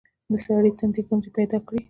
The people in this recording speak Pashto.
د سړي تندي ګونځې پيدا کړې.